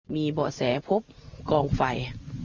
มีเบาะแสพบกองไฟ